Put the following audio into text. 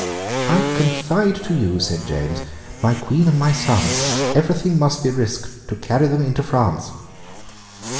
"I confide to you," said James, "my Queen and my son; everything must be risked to carry them into France."